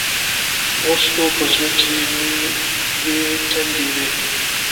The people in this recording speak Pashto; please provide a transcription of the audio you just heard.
اوس نو په زړه کښې مې دوې تندې وې.